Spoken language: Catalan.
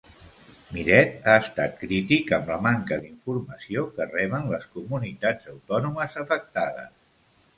Miret ha estat crític amb la manca d'informació que reben les comunitats autònomes afectades.